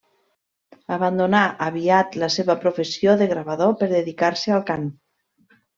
Abandonà aviat la seva professió de gravador per dedicar-se al cant.